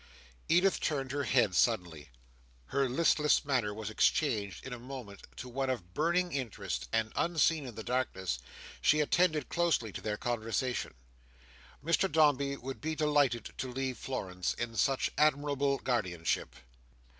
Edith turned her head suddenly. Her listless manner was exchanged, in a moment, to one of burning interest, and, unseen in the darkness, she attended closely to their conversation. Mr Dombey would be delighted to leave Florence in such admirable guardianship.